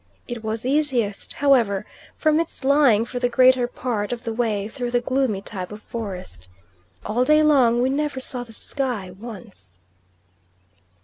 It was easiest however, from its lying for the greater part of the way through the gloomy type of forest. All day long we never saw the sky once.